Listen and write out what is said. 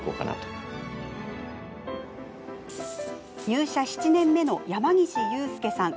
入社７年目の山岸裕介さん。